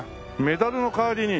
メダルの代わりに。